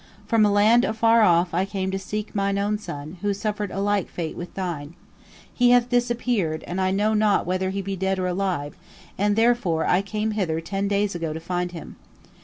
From a land afar off I came to seek mine own son, who suffered a like fate with thine. He hath disappeared, and I know not whether he be dead or alive, and therefore I came hither ten days ago to find him.